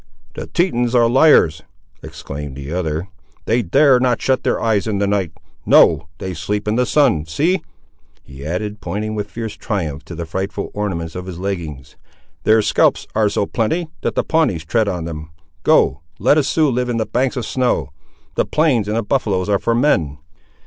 "The Tetons are liars!" exclaimed the other. "They dare not shut their eyes in the night. No; they sleep in the sun. See," he added, pointing with fierce triumph to the frightful ornaments of his leggings, "their scalps are so plenty, that the Pawnees tread on them! Go; let a Sioux live in banks of snow; the plains and buffaloes are for men!"